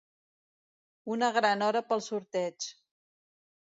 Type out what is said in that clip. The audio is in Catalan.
Una gran hora pel sorteig.